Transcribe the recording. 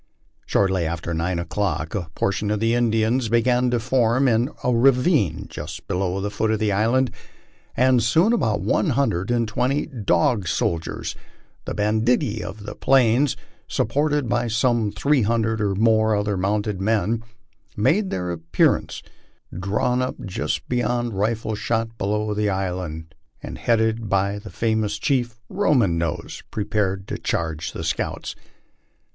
Shortly after nine o'clock a portion of the Indians began to form in a ra vine just below the foot of the island, and soon about one hundred and twenty Dog Soldiers, the " banditti of the Plains," supported by some three hundred or more other mounted men, made their appearance, drawn up just beyond rifle shot below the island, and headed by the famous chief Roman Nose," prepared to charge the scouts.